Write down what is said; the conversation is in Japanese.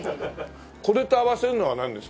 これと合わせるのはなんです？